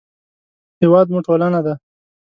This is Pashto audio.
هېواد مو ټولنه ده